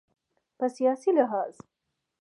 په سیاسي لحاظ